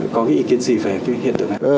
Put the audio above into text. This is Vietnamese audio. có ý kiến gì về hiện tượng này